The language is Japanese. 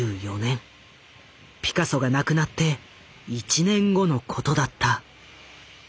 ピカソが亡くなって１年後のことだった。